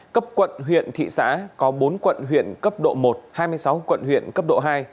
cấp quận huyện thị xã có bốn quận huyện cấp độ một hai mươi sáu quận huyện cấp độ hai